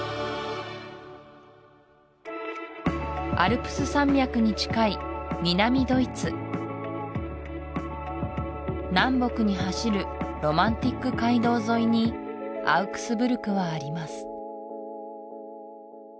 アルプス山脈に近い南ドイツ南北に走るロマンティック街道沿いにアウクスブルクはあります